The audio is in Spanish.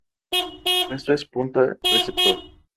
Su puesto es punta-receptor.